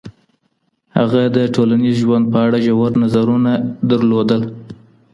هغه د ټولنیز ژوند په اړه ژور نظرونه لرل.